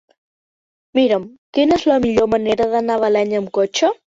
Mira'm quina és la millor manera d'anar a Balenyà amb cotxe.